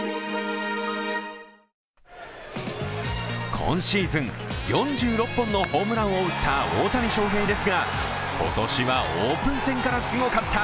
今シーズン４６本のホームランを打った大谷翔平ですが、今年はオープン戦からすごかった。